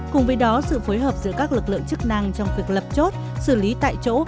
cùng với đó sự phối hợp giữa các lực lượng chức năng trong việc lập chốt xử lý tại chỗ